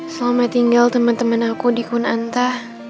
selama tinggal teman teman aku di konanta